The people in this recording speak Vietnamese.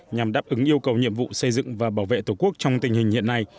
nhằm đáp ứng yêu cầu nhiệm vụ xây dựng và bảo vệ tổ quốc trong tình hình hiện nay